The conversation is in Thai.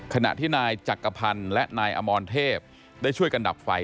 ขณะที่นายจักรพันธ์และนายอมรเทพได้ช่วยกันดับไฟ